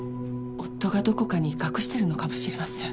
夫がどこかに隠してるのかもしれません。